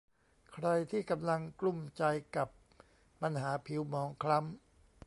ใครที่กำลังกลุ้มใจกับปัญหาผิวหมองคล้ำ